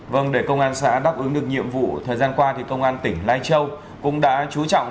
vâng để công an xã đáp ứng được nhiệm vụ thời gian qua thì công an tỉnh lai châu cũng đã chú trọng